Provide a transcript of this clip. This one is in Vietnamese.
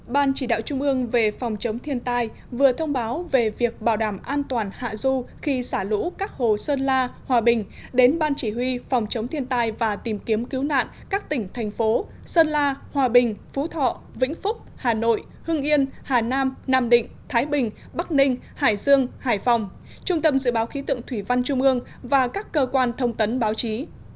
ban chỉ đạo trung ương về phòng chống thiên tai vừa thông báo về việc bảo đảm an toàn hạ du khi xả lũ các hồ sơn la hòa bình đến ban chỉ huy phòng chống thiên tai và tìm kiếm cứu nạn các tỉnh thành phố sơn la hòa bình phú thọ vĩnh phúc hà nội hưng yên hà nam nam định thái bình bắc ninh hải dương hải phòng trung tâm dự báo khí tượng thủy văn trung ương và các cơ quan thông tấn báo chí